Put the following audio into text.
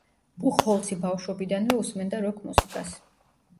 ბუხჰოლცი ბავშვობიდანვე უსმენდა როკ მუსიკას.